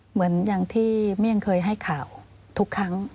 เหมือนอย่างที่เมี่ยงเคยให้ข่าวทุกครั้ง